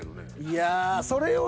いやそれより。